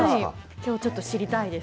きょうちょっと知りたいです。